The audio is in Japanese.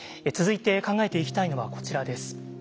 続いて考えていきたいのはこちらです。